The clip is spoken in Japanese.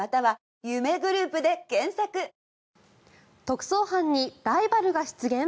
特捜班にライバルが出現？